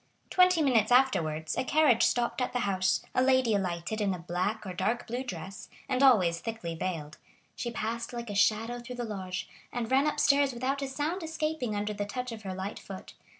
Twenty minutes afterwards a carriage stopped at the house, a lady alighted in a black or dark blue dress, and always thickly veiled; she passed like a shadow through the lodge, and ran upstairs without a sound escaping under the touch of her light foot.